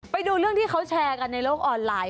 ไปดูเรื่องที่เขาแชร์กันในโลกออนไลน์